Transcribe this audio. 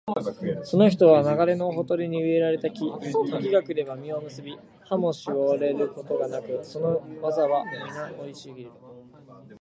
その人は流れのほとりに植えられた木、時が来れば実を結び、葉もしおれることがなく、その業はみな生い茂る